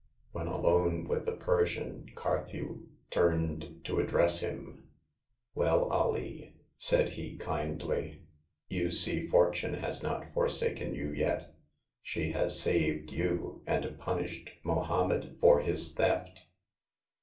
When alone with the Persian, Carthew turned to address him. Well, Alee," said he, kindly, *' you see For tune has not forsaken you yet ! She has saved you, and punished Mohommed for his theft."